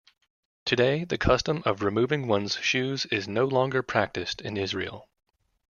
Today, the custom of removing one's shoes is no longer practised in Israel.